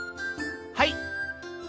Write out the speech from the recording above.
はい。